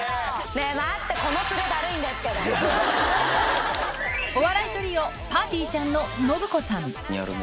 ねえ待って、お笑いトリオ、ぱーてぃーちゃんの信子さん。